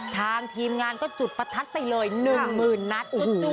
ทางทีมงานก็จุดประทัดไปเลย๑หมื่นนัด